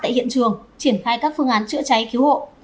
trên đường triển khai các phương án chữa cháy cứu hộ